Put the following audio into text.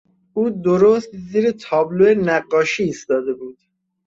او درست زیر تابلو نقاشی ایستاده بود.